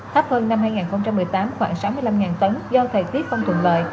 thấp hơn năm hai nghìn một mươi tám khoảng sáu mươi năm tấn do thời tiết không thuận lợi